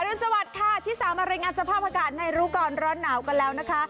อรุณสวัสดิ์ค่ะที่สามอริงอัดสภาพอากาศใหม่รู้ก่อนร้อนหนาวกันแล้วนะคะ